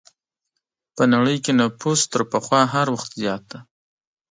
په نړۍ کې نفوس تر پخوا هر وخت زیات دی.